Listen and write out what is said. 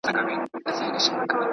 زور په سياست کې بېلابېلې بڼې لري.